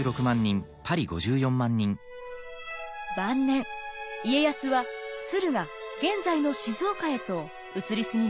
晩年家康は駿河現在の静岡へと移り住みます。